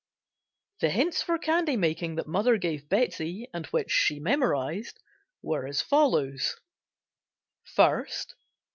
The hints for candy making that mother gave Betsey, and which she memorized, were as follows: FIRST.